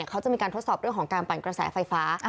เขาจะมีการทดสอบเรื่องของการปั่นกระแสไฟฟ้า